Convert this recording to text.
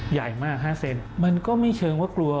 ใหญ่มาก๕เซนมันก็ไม่เชิงว่ากลัว